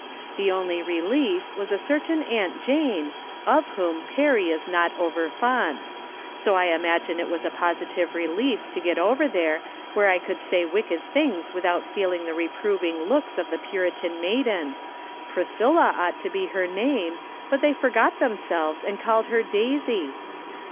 The only relief was a certain Aunt Jane, of whom Perry is not over fond ; so I imagine it was a positive rehef to get over there where I could say wicked things with out feeling the reproving looks of the Puritan maiden — PrisciLla ought to be her name, but they forgot themselves and called her Daisy.